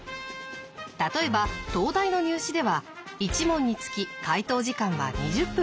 例えば東大の入試では１問につき解答時間は２０分から３０分。